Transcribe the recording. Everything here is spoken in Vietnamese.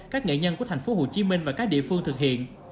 các nghệ nhân của tp hcm và các địa phương thực hiện